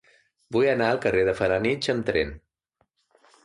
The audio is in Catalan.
Vull anar al carrer de Felanitx amb tren.